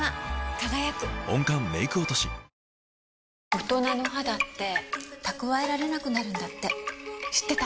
大人の肌って蓄えられなくなるんだって知ってた？